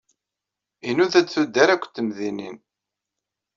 Inuda-d tuddar akked temdinin.